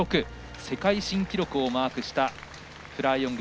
世界新記録をマークしたフラー・ヨング。